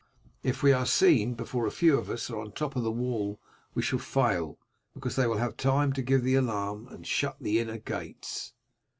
If we are seen before a few of us are on the top of the wall we shall fail, because they will have time to give the alarm, and shut the inner gates.